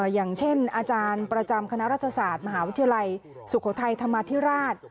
อย่างเช่นอาจารย์ประจำคณะรัฐศาสตร์มหาวิทยาลัยสุโขทัยธรรมาธิราช